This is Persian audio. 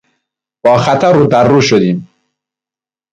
با خطر رودررو شدیم.